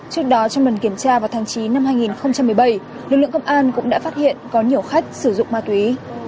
trước đó trong lần kiểm tra vào tháng chín năm hai nghìn một mươi bảy lực lượng công an cũng đã phát hiện có nhiều khách sử dụng ma túy